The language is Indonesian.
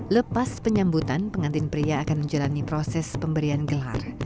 lepas penyambutan pengantin pria akan menjalani proses pemberian gelar